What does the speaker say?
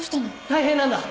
大変なんだ！